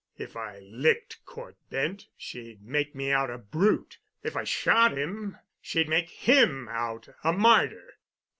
If I licked Cort Bent she'd make me out a brute; if I shot him, she'd make him out a martyr.